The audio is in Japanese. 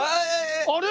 あれ！？